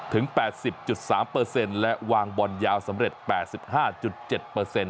ถึงแปดสิบจุดสามเปอร์เซ็นต์และวางบอลยาวสำเร็จแปดสิบห้าจุดเจ็ดเปอร์เซ็นต์